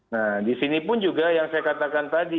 nah di sini pun juga yang saya katakan tadi